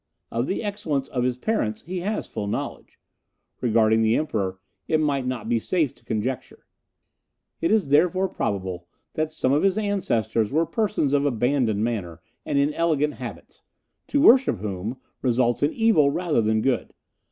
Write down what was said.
Of the excellence of his parents he has full knowledge; regarding the Emperor, it might not be safe to conjecture. It is therefore probable that some of his ancestors were persons of abandoned manner and inelegant habits, to worship whom results in evil rather than good.